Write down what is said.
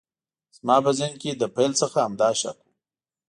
زما په ذهن کې له پیل څخه همدا شک و